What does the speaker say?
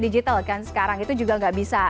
digital kan sekarang itu juga nggak bisa